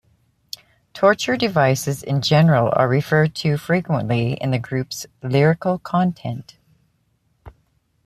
Torture devices in general are referred to frequently in the group's lyrical content.